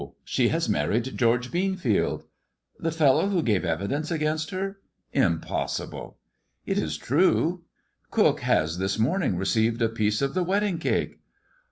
She has married George Beanfield." The fellow who gave evidence against her? Im possible." "It is true. Cook has this morning received a piece of the wedding cake."